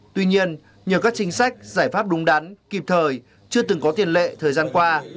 tuy nhiên nhờ các chính sách giải pháp đúng đắn kịp thời chưa từng có tiền lệ thời gian qua